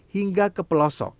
hingga ke pelosokan